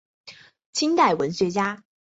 清代文学家。